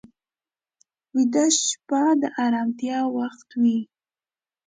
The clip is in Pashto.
ویده شپه د ارامتیا وخت وي